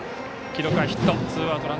記録はヒット。